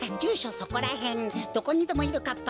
そこらへんどこにでもいるかっぱ